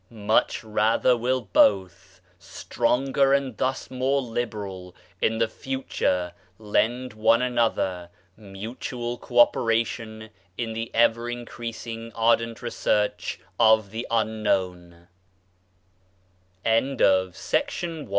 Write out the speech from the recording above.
Much rather will both, stronger and thus more liberal, in the future lend one another mutual co operation in the ever increasing ardent research of